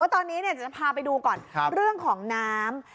ตอนนี้จะพาไปดูก่อนเรื่องของน้ำ